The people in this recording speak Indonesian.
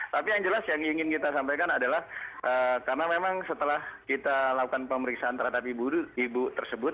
tapi yang jelas yang ingin kita sampaikan adalah karena memang setelah kita lakukan pemeriksaan terhadap ibu tersebut